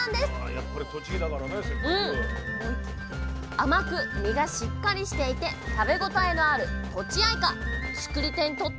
甘く実がしっかりしていて食べ応えのあるとちあいか。